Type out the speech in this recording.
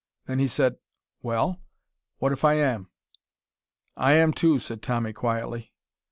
Then he said: "Well? What if I am?" "I am, too," said Tommy quietly.